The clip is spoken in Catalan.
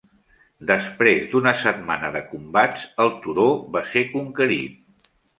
Després d'una setmana de combats, el turó va ser conquerit.